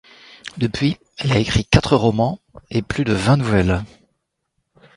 Depuis, elle a écrit quatre romans et plus de vingt nouvelles.